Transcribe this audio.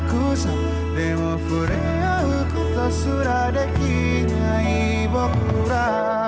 kami sudah berusaha untuk memperbaiki kota indonesia dengan cara yang berbeda